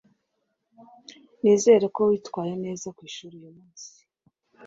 Nizere ko witwaye neza kwishuri uyumunsi.